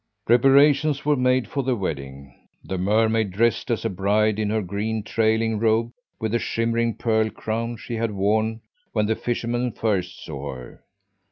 "Preparations were made for the wedding. The mermaid dressed as a bride in her green, trailing robe with the shimmering pearl crown she had worn when the fisherman first saw her.